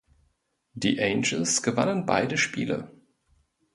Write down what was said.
Die Angels gewannen beide Spiele.